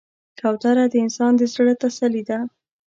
کوتره د انسان د زړه تسلي ده.